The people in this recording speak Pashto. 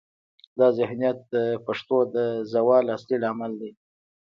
دا ذهنیت د پښتو د زوال اصلي لامل دی.